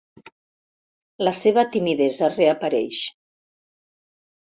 La seva timidesa reapareix.